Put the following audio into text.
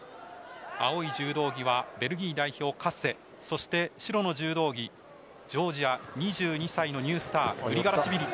青い柔道着はベルギー代表カッセそして、白の柔道着ジョージア２２歳のニュースターグリガラシビリ。